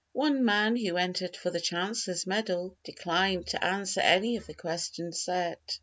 One man who entered for the Chancellor's medal declined to answer any of the questions set.